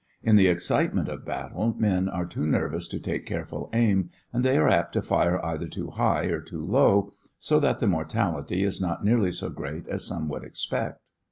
In the excitement of battle men are too nervous to take careful aim and they are apt to fire either too high or too low, so that the mortality is not nearly so great as some would expect.